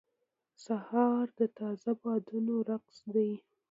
سهار د تازه بادونو رقص دی.